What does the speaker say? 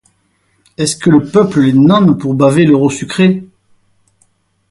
Est-ce que le peuple les nomme pour baver leur eau sucrée!